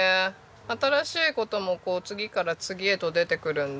新しい事もこう次から次へと出てくるんで。